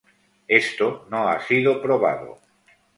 Esto no ha sido probado.